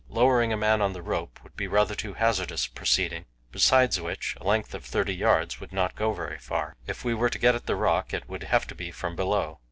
Lowering a man on the rope would be rather too hazardous a proceeding; besides which, a length of thirty yards would not go very far. If we were to get at the rock, it would have to be from below.